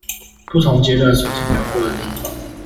不同階段所停留過的地方